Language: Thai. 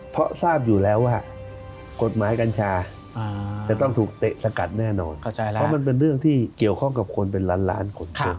เพราะทราบอยู่แล้วว่ากฎหมายกัญชาจะต้องถูกเตะสกัดแน่นอนเพราะมันเป็นเรื่องที่เกี่ยวข้องกับคนเป็นล้านล้านคน